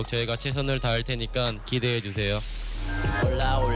เรามาเมื่อไหร่ทำไมเรามาเมื่อไหร่